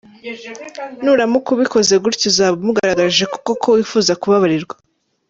Nuramuka ubikoze gutyo uzaba umugaragarije ko koko wifuza kubabarirwa.